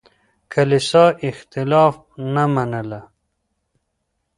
کليسا اختلاف نه منله.